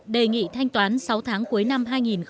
đề nghị thanh toán sáu tháng cuối năm hai nghìn một mươi sáu